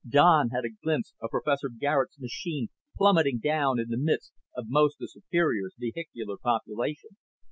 Don had a glimpse of Professor Garet's machine plummeting down in the midst of most of Superior's vehicular population.